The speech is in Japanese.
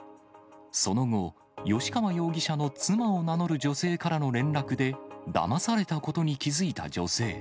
その後、吉川容疑者の妻を名乗る女性からの連絡で、だまされたことに気付いた女性。